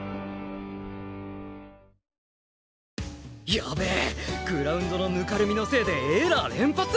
やべえグラウンドのぬかるみのせいでエラー連発⁉